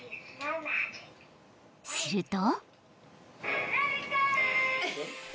［すると］